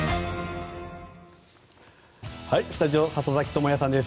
スタジオ里崎智也さんです。